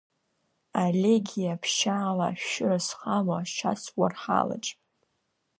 Аелегиа Ԥшьаала ашәшьыра зхало ашьац уарҳалаҿ…